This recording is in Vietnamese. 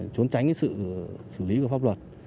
trốn tránh sự xử lý của pháp luật